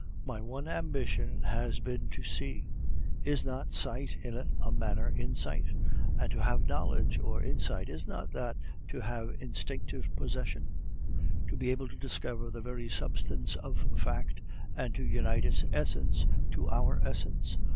"My one ambition has been to see. Is not Sight in a manner Insight? And to have knowledge or insight, is not that to have instinctive possession? To be able to discover the very substance of fact and to unite its essence to our essence?